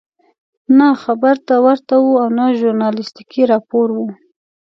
نه خبر ته ورته وو او نه ژورنالستیکي راپور وو.